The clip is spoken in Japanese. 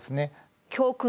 教訓